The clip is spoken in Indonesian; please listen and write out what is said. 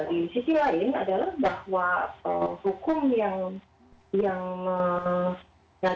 di sisi lain adalah bahwa hukum yang mengadili atau yang digunakan yang sering terlalu